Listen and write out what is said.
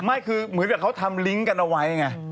ไม่คือเหมือนกับเขาทำลิงก์กันเอาไว้ไง